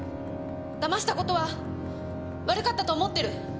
騙した事は悪かったと思ってる。